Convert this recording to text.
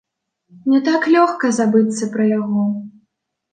Не так лёгка забыцца пра яго.